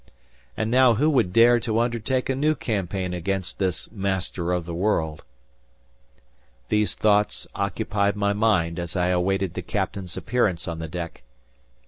And now who would dare to undertake a new campaign against this "Master of the World"? These thoughts occupied my mind as I awaited the captain's appearance on the deck.